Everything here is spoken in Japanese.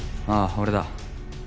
ああ俺だ。